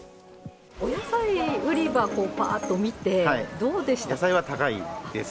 お野菜売り場、ぱーっと見て、野菜は高いです。